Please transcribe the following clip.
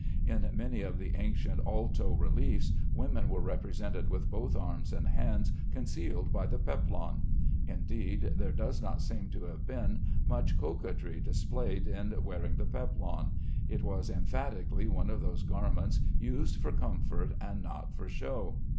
In many of the ancient alto reliefs women are represented with both arms and hands concealed by the peplon. Indeed, there does not seem to have been much coquetry displayed in wearing the peplon. It was emphatically one of those garments used for comfort and not for show.